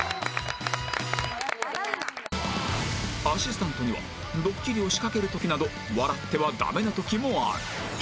アシスタントにはドッキリを仕掛ける時など笑ってはダメな時もある